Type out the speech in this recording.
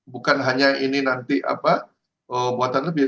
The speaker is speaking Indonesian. bukan hanya ini nanti apa muatan lebih